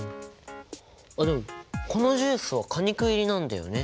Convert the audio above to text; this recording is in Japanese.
あっでもこのジュースは果肉入りなんだよね。